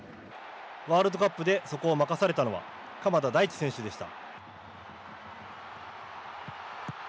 ワールドカップでそこを任されたのは鎌田大地選手でした。